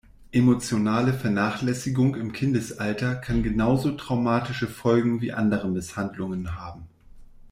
Emotionale Vernachlässigung im Kindesalter kann genauso traumatische Folgen wie andere Misshandlungen haben.